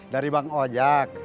dari bang ojak